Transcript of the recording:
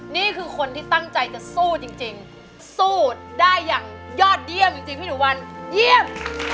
นี่คือคนที่ตั้งใจจะสู้จริงสู้ได้อย่างยอดเยี่ยมจริงพี่หนูวันเยี่ยม